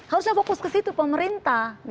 harusnya fokus ke situ pemerintah